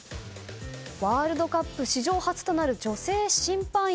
ワールドカップ史上初となる女性審判員